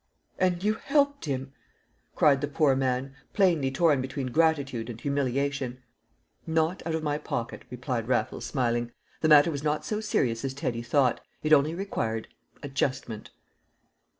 "And you helped him?" cried the poor man, plainly torn between gratitude and humiliation. "Not out of my pocket," replied Raffles, smiling. "The matter was not so serious as Teddy thought; it only required adjustment."